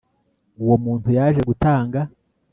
Uwo muntu yaje gutanga